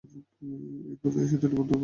এর পরেই সেতুটি বর্তমান রূপ লাভ করে।